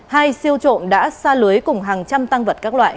hai siêu trộm đã xa lưới cùng hàng trăm tăng vật các loại